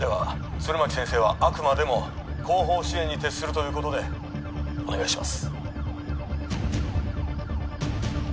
弦巻先生はあくまでも後方支援に徹するということでお願いします